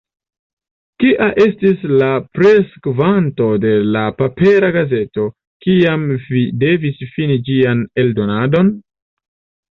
Kia estis la preskvanto de la papera gazeto, kiam vi devis fini ĝian eldonadon?